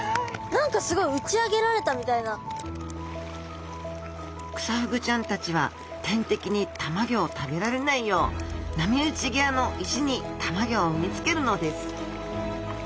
何かすごいクサフグちゃんたちは天敵にたまギョを食べられないよう波打ち際の石にたまギョを産みつけるのです。